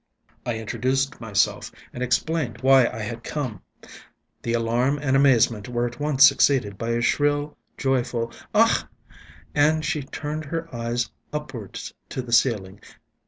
I introduced myself and explained why I had come. The alarm and amazement were at once succeeded by a shrill, joyful "Ach!" and she turned her eyes upwards to the ceiling.